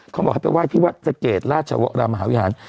เขาบอกให้ไปไหว้ที่วัดสะเกดราชวรมหาวิหาร